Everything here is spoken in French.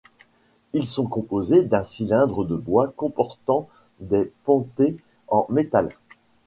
Ils sont composées d'un cylindre de bois comportant des pontets en métal.